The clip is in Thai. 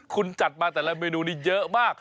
คุณจัดมาแต่ละเมนูนี้เยอะมาก